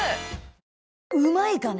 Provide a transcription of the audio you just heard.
うまいかね？